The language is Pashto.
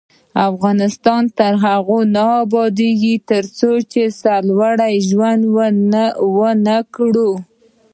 افغانستان تر هغو نه ابادیږي، ترڅو سرلوړي ژوند ونه کړو.